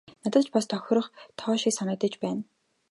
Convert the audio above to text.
Надад ч бас тохирох тоо шиг санагдаж байна.